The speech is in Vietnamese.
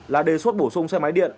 là đề xuất bổ sung xe máy điện